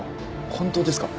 本当ですか？